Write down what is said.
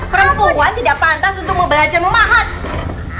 perempuan tidak pantas untuk belajar memaham